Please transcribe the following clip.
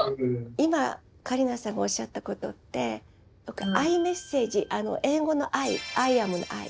今桂里奈さんがおっしゃったことって英語の「Ｉ」アイアムの「Ｉ」。